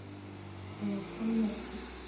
ПЫЛ ЛАПЧЫК